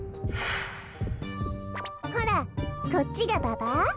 ほらこっちがババ？